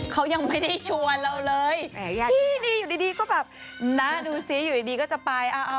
เขายังไม่ได้ชวนเราเลยนี่อยู่ดีก็แบบน้าดูซิอยู่ดีก็จะไป